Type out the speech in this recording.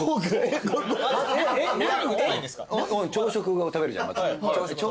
朝食を食べるじゃんまず。